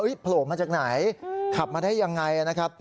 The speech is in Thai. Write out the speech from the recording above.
โผล่มาจากไหนขับมาได้ยังไงนะครับ